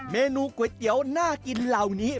เมนูก๋วยเตี๋ยวน่ากินเหล่านี้